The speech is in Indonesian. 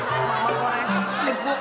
mama mau esok sleep bu